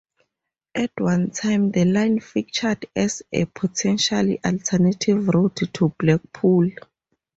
At one time the line featured as a potential alternative route to Blackpool.